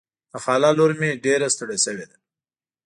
د خاله لور مې ډېره ستړې شوې ده.